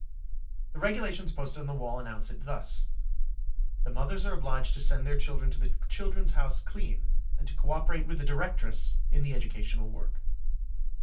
6 The Regulations posted on the walls announce it thus: "The mothers are obliged to send their children to the 'Children's House' clean, and to co operate with the Directress in the educational work."